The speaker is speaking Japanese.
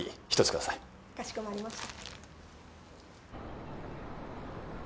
かしこまりました。